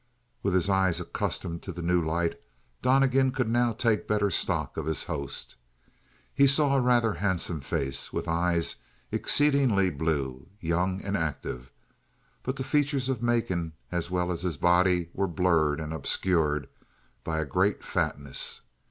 With his eyes accustomed to the new light, Donnegan could now take better stock of his host. He saw a rather handsome face, with eyes exceedingly blue, young, and active; but the features of Macon as well as his body were blurred and obscured by a great fatness.